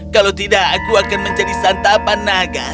kalau tidak aku akan menjadi santapan naga